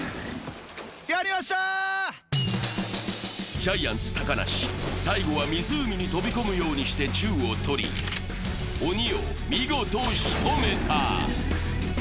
ジャイアンツ・高梨、最後は湖に飛び込むようにして銃を取り、鬼を見事しとめた。